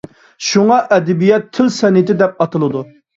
شۇڭا ئەدەبىيات تىل سەنئىتى دەپ ئاتىلىدۇ.